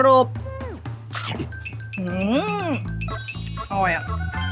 อร่อยอ่ะ